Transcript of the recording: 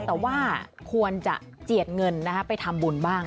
แต่ว่าควรจะเจียดเงินไปทำบุญบ้าง